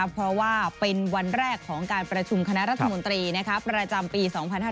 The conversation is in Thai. เพราะว่าเป็นวันแรกของการประชุมคณะรัฐมนตรีประจำปี๒๕๕๙